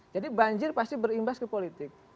jadi banjir pasti berimbas ke politik